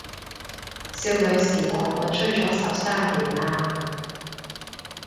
少女時代我追咗十三年喇